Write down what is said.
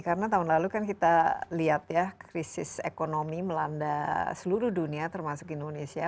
karena tahun lalu kan kita lihat ya krisis ekonomi melanda seluruh dunia termasuk indonesia